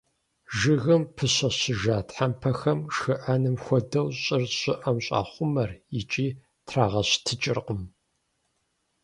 Жыгым пыщэщыжа тхьэмпэхэм, шхыӀэным хуэдэу, щӏыр щӏыӏэм щахъумэр, икӏи трагъэщтыкӀыркъым.